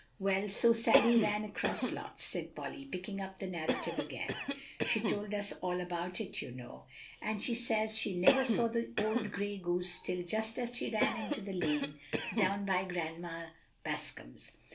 "Well, so Sally ran 'cross lots," said Polly, picking up the narrative again; "she told us all about it, you know; and she says she never saw the old gray goose till just as she ran into the lane, down by Grandma Bascom's.